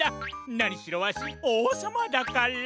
なにしろわしおうさまだから！